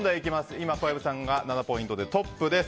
今、小籔さんが７ポイントでトップです。